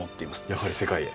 やはり世界へ？